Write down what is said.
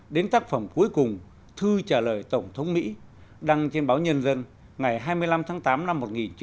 đến tác phẩm cuối cùng thư trả lời tổng thống mỹ đăng trên báo nhân dân ngày hai mươi năm tháng tám năm một nghìn chín trăm bảy mươi năm